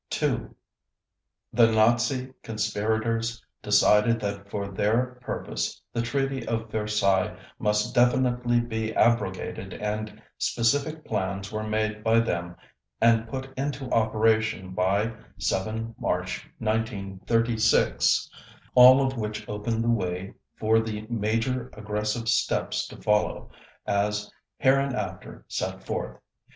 2. The Nazi conspirators decided that for their purpose the Treaty of Versailles must definitely be abrogated and specific plans were made by them and put into operation by 7 March 1936, all of which opened the way for the major aggressive steps to follow, as hereinafter set forth.